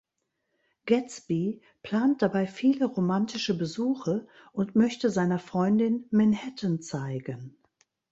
Gatsby plant dabei viele romantische Besuche und möchte seiner Freundin Manhattan zeigen.